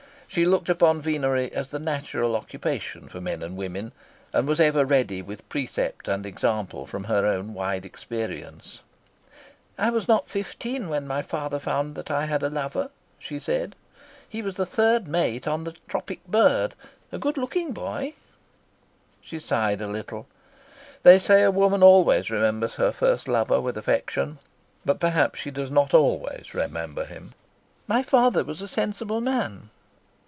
She looked upon venery as the natural occupation for men and women, and was ever ready with precept and example from her own wide experience. "I was not fifteen when my father found that I had a lover," she said. "He was third mate on the . A good looking boy." She sighed a little. They say a woman always remembers her first lover with affection; but perhaps she does not always remember him. "My father was a sensible man."